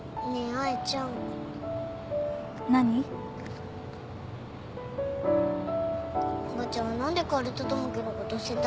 おばちゃんは何で薫と友樹のこと捨てたのかな。